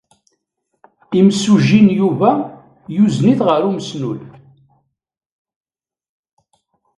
Imsujji n Yuba yuzen-it ɣer umesnul.